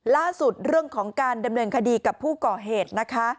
เรื่องของการดำเนินคดีกับผู้ก่อเหตุนะคะ